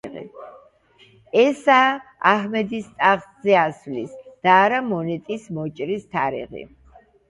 ესაა აჰმედის ტახტზე ასვლის და არა მონეტის მოჭრის თარიღი.